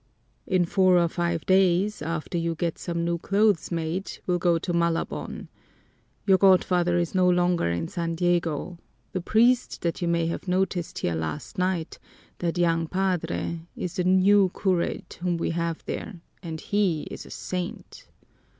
"In four or five days, after you get some new clothes made, we'll go to Malabon. Your godfather is no longer in San Diego. The priest that you may have noticed here last night, that young padre, is the new curate whom we have there, and he is a saint."